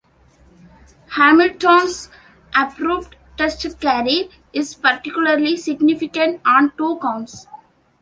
Hamilton's abrupt test career is particularly significant on two counts.